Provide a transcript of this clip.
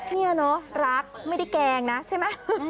นี่เนอะรักไม่ได้แกล้งนะใช่ไหม